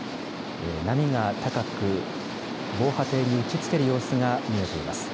波が高く、防波堤に打ちつける様子が見えています。